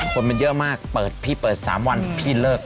คนมันเยอะมากเปิดพี่เปิด๓วันพี่เลิก